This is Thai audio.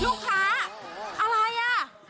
ลูกค้าอะไรอ่ะ